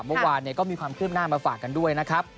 เมื่อวานก็มีความคืบหน้ามาฝากกันด้วยนะครับ